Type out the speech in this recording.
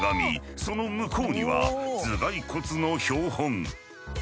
その向こうには頭蓋骨の標本。